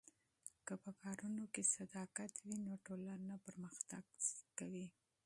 که په کارونو کې صداقت وي نو ټولنه وده کوي.